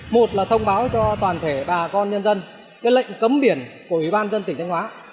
một là thông báo cho toàn thể bà con nhân dân lệnh cấm biển của ủy ban dân tỉnh thanh hóa